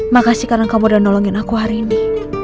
makasih karena kamu sudah nolongin aku hari ini